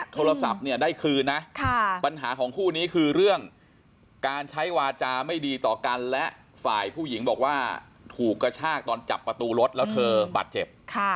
โทรศัพท์เนี่ยได้คืนนะปัญหาของคู่นี้คือเรื่องการใช้วาจาไม่ดีต่อกันและฝ่ายผู้หญิงบอกว่าถูกกระชากตอนจับประตูรถแล้วเธอบาดเจ็บ